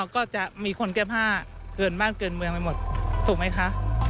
ก็จะมีคนแก้ผ้าเกินบ้านเกินเมืองไปหมดถูกไหมคะ